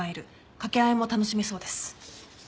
掛け合いも楽しめそうです。